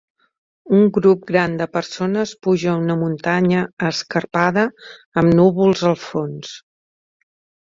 Un grup gran de persones puja una muntanya escarpada amb núvols al fons.